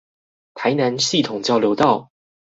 台南系統交流道